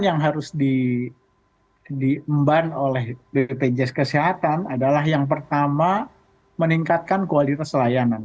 yang harus diemban oleh bpjs kesehatan adalah yang pertama meningkatkan kualitas layanan